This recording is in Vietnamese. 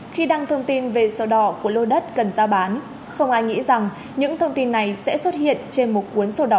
khi đăng thông tin về sổ đỏ của lô đất cần ra bán không ai nghĩ rằng những thông tin này sẽ xuất hiện trên một cuốn sổ đỏ